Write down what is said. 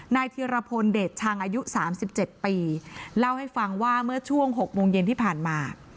นายเทียรพลเด็ดช่างอายุสามสิบเจ็ดปีเล่าให้ฟังว่าเมื่อช่วงหกโมงเย็นที่ผ่านมา